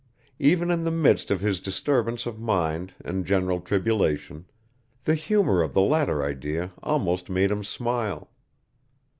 Even in the midst of his disturbance of mind and general tribulation, the humour of the latter idea almost made him smile.